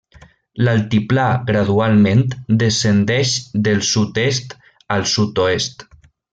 L'altiplà gradualment descendeix del sud-est al sud-oest.